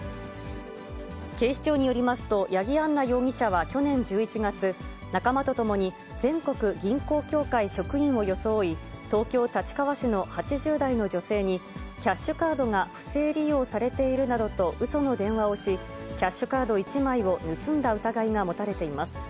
警視庁によりますと、八木杏奈容疑者は去年１１月、仲間と共に全国銀行協会職員を装い、東京・立川市の８０代の女性に、キャッシュカードが不正利用されているなどとうその電話をし、キャッシュカード１枚を盗んだ疑いが持たれています。